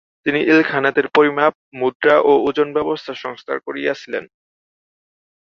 তিনি ইলখানাতের পরিমাপ, মুদ্রা ও ওজন ব্যবস্থার সংস্কার করেছিলেন।